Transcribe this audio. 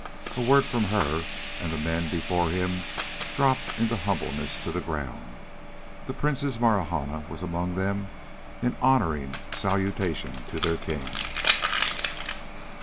A word from her, and the men before him dropped in humbleness to the ground. The Princess Marahna was among them in honoring salutation to their king.